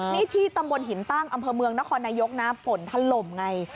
นี่ที่ตำบลหินตั้งอำเภอเมืองนครนายกนะฝนถล่มไง